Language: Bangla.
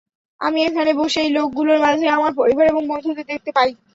আমি এখানে বসে এই লোকগুলোর মাঝে আমার পরিবার এবং বন্ধুদের দেখতে পাই।